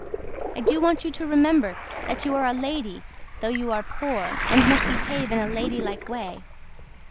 I DO WANT YOU TO REMEMBER THAT YOU ARE A LADY THOUGH YOU ARE POOR AND MUST BEHAVE IN A LADYLIKE WAY.